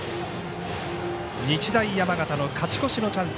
日大山形の勝ち越しのチャンス